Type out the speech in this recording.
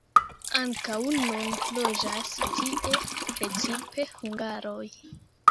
Ankaŭ nun loĝas tie precipe hungaroj.